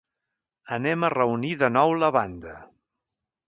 Anem a reunir de nou la banda!